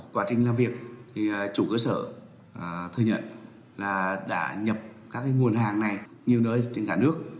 chủ cơ sở thừa nhận là đã nhập các nguồn hàng này nhiều nơi trên cả nước